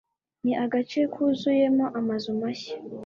Ni agace kuzuyemo amazu mashya.